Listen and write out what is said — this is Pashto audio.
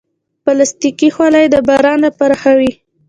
پلاستيکي خولۍ د باران لپاره ښه وي.